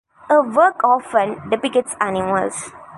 Her work often depicts animals.